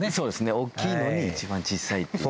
大きいのに一番小さいっていう。